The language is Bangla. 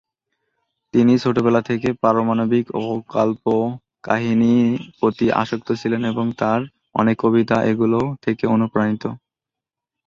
তিনি ছোটবেলা থেকে পৌরাণিক ও কল্পকাহিনি প্রতি আসক্ত ছিলেন এবং তার অনেক কবিতা এগুলো থেকে অনুপ্রাণিত।